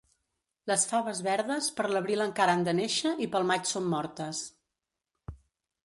Les faves verdes, per l'abril encara han de néixer i pel maig són mortes.